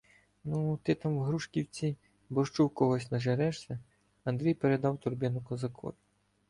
— Ну, ти там у Грушківці борщу в когось нажерешся, — Андрій передав торбину козакові.